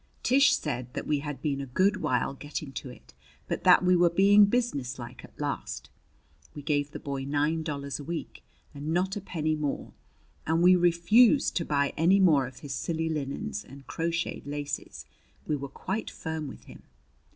Tish said that we had been a good while getting to it, but that we were being businesslike at last. We gave the boy nine dollars a week and not a penny more; and we refused to buy any more of his silly linens and crocheted laces. We were quite firm with him.